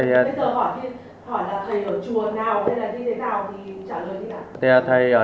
bây giờ hỏi là thầy ở chùa nào hay là đi đến nào thì trả lời như thế nào